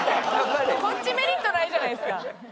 こっちメリットないじゃないですか！